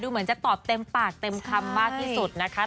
เหมือนจะตอบเต็มปากเต็มคำมากที่สุดนะคะ